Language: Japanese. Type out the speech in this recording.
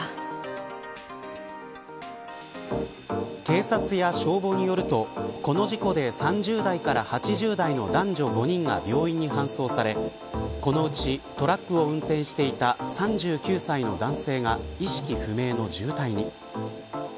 警察や消防によるとこの事故で３０代から８０代の男女５人が病院に搬送されこのうち、トラックを運転していた３９歳の男性が意識不明の重体に。